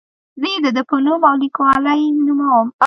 زه یې د ده په نوم او لیکلوالۍ نوموم.